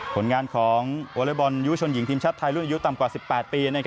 ผลงานของวอเล็กบอลยุชนหญิงทีมชาติไทยรุ่นอายุต่ำกว่า๑๘ปี